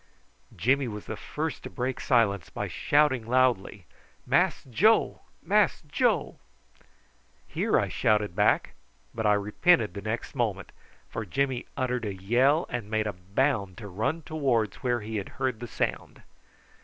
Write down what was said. Jimmy was the first to break silence by shouting loudly: "Mass Joe! Mass Joe!" "Here!" I shouted back; but I repented the next moment, for Jimmy uttered a yell and made a bound to run towards where he had heard the sound.